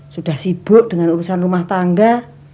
sudah sibuk dengan urusan rumah tangga